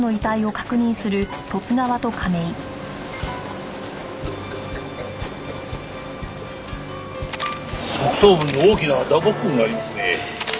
側頭部に大きな打撲痕がありますね。